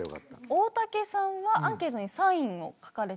大竹さんはアンケートに『Ｓｉｇｎ』を書かれた。